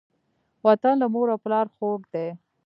وطن له مور او پلاره خووږ دی.